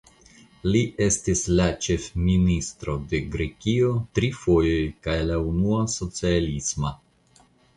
Li estis la ĉefministro de Grekio tri fojoj kaj la unua socialisma.